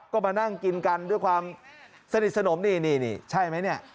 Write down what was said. ก็มานั่งกินกันด้วยความสนิทสนมนี่นี่ใช่ไหมเนี่ย